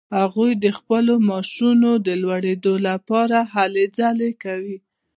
هغوی د خپلو معاشونو د لوړیدا لپاره هلې ځلې کوي.